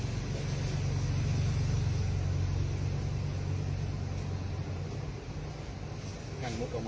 ติดลูกคลุม